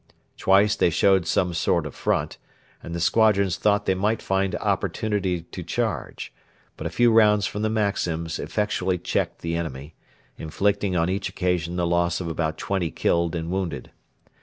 Twice they showed some sort of front, and the squadrons thought they might find opportunity to charge; but a few rounds from the Maxims effectually checked the enemy, inflicting on each occasion the loss of about twenty killed and wounded.